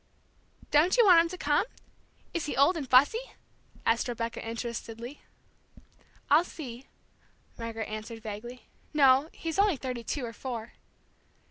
"Don't you want him to come is he old and fussy?" asked Rebecca, interestedly. "I'll see," Margaret answered vaguely. "No, he's only thirty two or four."